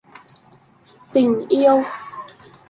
tình yêu